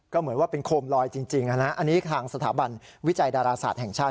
ก็เหมือนว่าเป็นโคมลอยจริงอันนี้ทางสถาบันวิจัยดาราศาสตร์แห่งชาติ